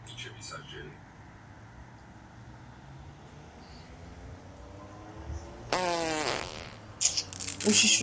უშიშროების საბჭომ მოუწოდა ქვეყნებს მიემართათ მოლაპარაკებებისათვის ნებისმიერ დროს.